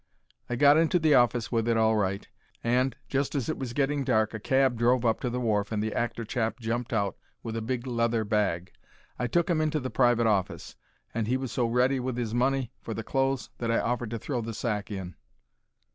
I got into the office with it all right, and, just as it was getting dark, a cab drove up to the wharf and the actor chap jumped out with a big leather bag. I took 'im into the private office, and 'e was so ready with 'is money for the clothes that I offered to throw the sack in.